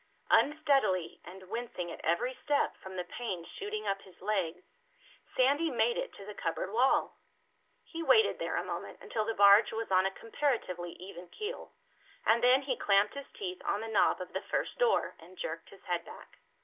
Unsteadily, and wincing at every step from the pains shooting up his legs, Sandy made it to the cupboard wall. He waited there a moment, until the barge was on a comparatively even keel, and then he clamped his teeth on the knob of the first door and jerked his head back.